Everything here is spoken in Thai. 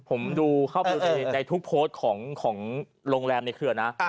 ผมดูเข้าไปในทุกโพสต์ของโรงแรมในเครือนะ